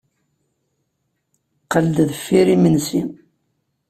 Qqel-d deffir yimensi.